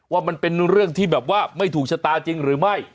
ว่ามันเป็นเรื่องที่แบบว่าไม่ถูกชะตาจริงหรือไม่